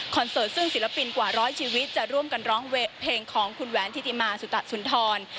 เสิร์ตซึ่งศิลปินกว่าร้อยชีวิตจะร่วมกันร้องเพลงของคุณแหวนธิติมาสุตะสุนทร